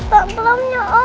pak belum ya om